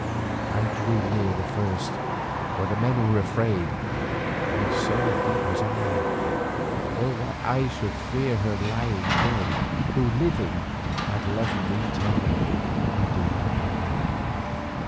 I drew near the first, for the men were afraid, and so indeed was I, though why I should fear her lying dead who living had loved me tenderly, I do not know.